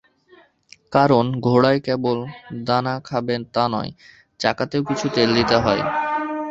কারণ, ঘোড়াই কেবল দানা খাবে তা নয়, চাকাতেও কিছু তেল দিতে হয়।